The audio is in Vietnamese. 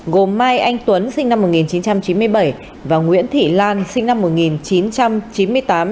gồm mai anh tuấn sinh năm một nghìn chín trăm chín mươi bảy và nguyễn thị lan sinh năm một nghìn chín trăm chín mươi tám